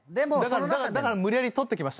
だから無理やり撮ってきました。